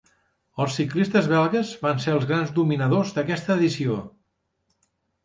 Els ciclistes belgues va ser els grans dominadors d'aquesta edició.